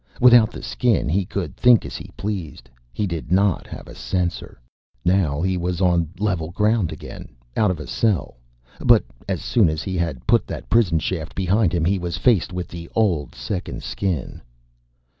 Without the Skin he could think as he pleased. He did not have a censor. Now, he was on level ground again, out of the cell. But as soon as he had put that prison shaft behind him he was faced with the old second Skin.